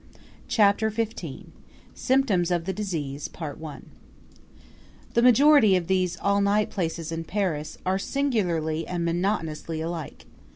Chapter XV Symptoms of the Disease The majority of these all night places in Paris are singularly and monotonously alike.